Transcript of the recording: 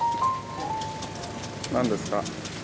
何ですか？